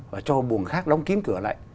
và cho buồng khác đóng kín cửa lại